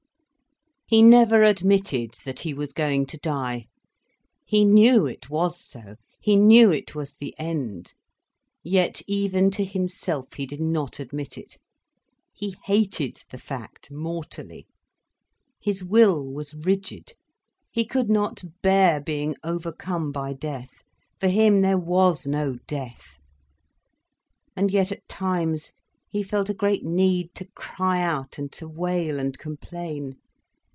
He never admitted that he was going to die. He knew it was so, he knew it was the end. Yet even to himself he did not admit it. He hated the fact, mortally. His will was rigid. He could not bear being overcome by death. For him, there was no death. And yet, at times, he felt a great need to cry out and to wail and complain.